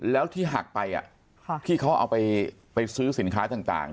แล้วที่หักไปอ่ะค่ะที่เขาเอาไปไปซื้อสินค้าต่างต่าง